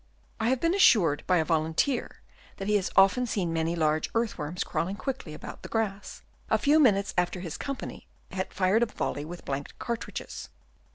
I have been assured by a Volunteer that he has often seen many large earth worms crawling quickly about the grass, a few minutes after his company had fired a volley with blank cartridges.